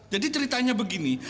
jadi ceritanya begini